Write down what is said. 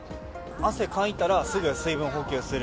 汗かいたら、すぐ水分補給する。